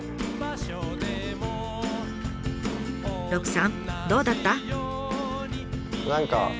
鹿さんどうだった？